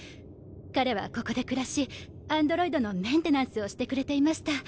彼はここで暮らしアンドロイドのメンテナンスをしてくれていました。